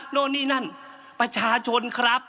โน่นนี่นั่นประชาชนครับ